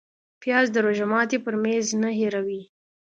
پیاز د روژه ماتي پر میز نه هېروې